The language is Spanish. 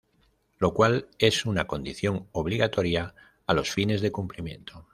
Lo cual es una condición obligatoria a los fines de cumplimiento.